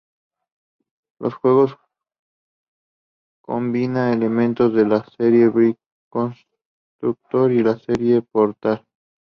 El juego combina elementos de la serie Bridge Constructor "y la "serie Portal.